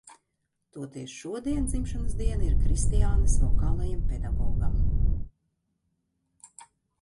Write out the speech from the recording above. Toties šodien dzimšanas diena ir Kristiānas vokālajam pedagogam.